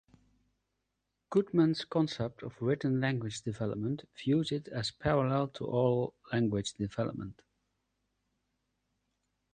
Goodman's concept of written language development views it as parallel to oral language development.